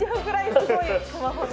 すごいな！